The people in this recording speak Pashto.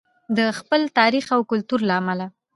د خپل تاریخ او کلتور له امله.